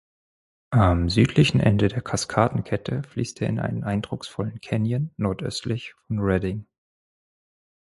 Am südlichen Ende der Kaskadenkette fließt er in einen eindrucksvollen Canyon nordöstlich von Redding.